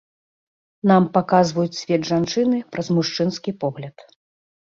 Нам паказваюць свет жанчыны праз мужчынскі погляд.